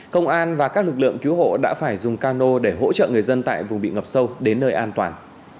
công an và các lực lượng cứu hộ đã phải dùng cano để hỗ trợ người dân tại vùng bị ngập sâu đến nơi an toàn